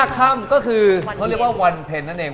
๑๕ขั้นก็คือเขาเรียกว่าวันเพ็นท์นั่นเอง